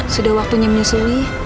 sudah waktunya menyusui